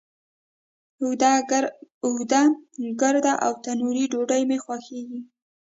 اوږده، ګرده، او تنوری ډوډۍ می خوښیږی